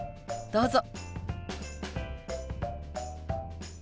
どうぞ。